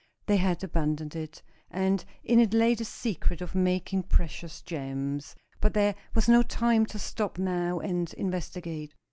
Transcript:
They had abandoned it, and in it lay the secret of making precious gems. But there was no time to stop now, and investigate.